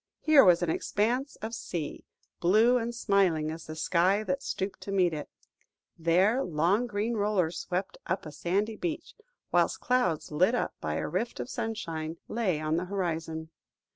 Here was an expanse of sea, blue and smiling as the sky that stooped to meet it; there, long green rollers swept up a sandy beach, whilst clouds lit up by a rift of sunshine, lay on the horizon.